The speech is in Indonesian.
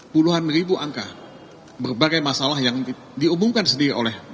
puluhan ribu angka berbagai masalah yang diumumkan sendiri oleh